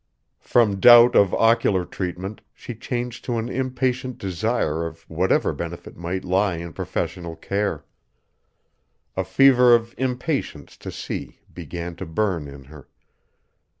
From doubt of ocular treatment she changed to an impatient desire of whatever benefit might lie in professional care. A fever of impatience to see began to burn in her.